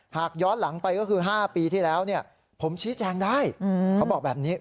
หากย้อนหลังไปก็คือ๕ปีที่แล้วผมชี้แจงได้เขาบอกแบบนี้